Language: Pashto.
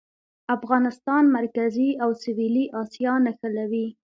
افغانستان مرکزي او سویلي اسیا نښلوي